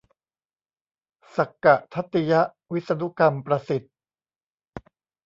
สักกะทัตติยะ วิษณุกรรมประสิทธิ์